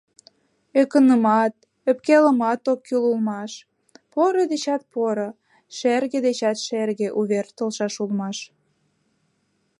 Ӧкынымат, ӧпкелымат ок кӱл улмаш: поро дечат поро, шерге дечат шерге увер толшаш улмаш.